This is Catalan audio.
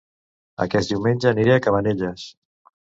Aquest diumenge aniré a Cabanelles